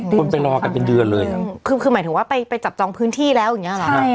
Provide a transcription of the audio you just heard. ใช่คือเหมือนถึงว่าไปไปจับจองพื้นที่แล้วอย่างแบบนี้